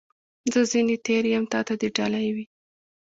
زه ځني تېر یم ، تا ته دي ډالۍ وي .